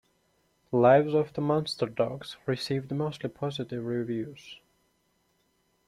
"Lives of the Monster Dogs" received mostly positive reviews.